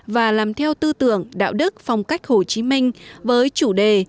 và làm theo tư tưởng đạo đức phong cách hồ chí minh với chủ đề